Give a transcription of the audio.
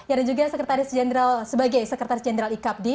ada juga sebagai sekretaris jenderal iqabdi